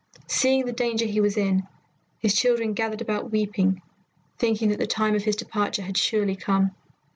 Seeing the danger he was in, his children gathered about weeping, thinking that the time of his departure had surely come.